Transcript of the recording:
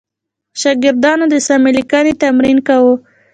شاګردانو د سمې لیکنې تمرین کاوه.